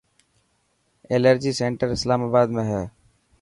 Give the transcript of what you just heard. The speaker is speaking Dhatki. ايلرجي سينٽر اسلامآباد ۾ هي.